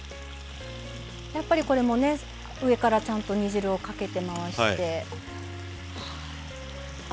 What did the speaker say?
やっぱりこれもね上からちゃんと煮汁をかけて回して。